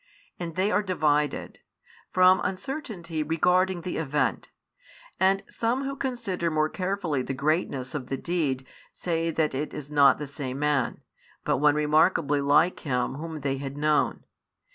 And they are divided, from uncertainty regarding the event, and some who consider more carefully the greatness of the deed say that it is not the same man, but one remarkably like him whom they had known.